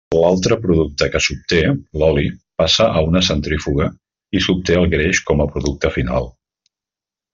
L'altre producte que s'obté, l'oli, passa a una centrífuga i s'obté el greix com a producte final.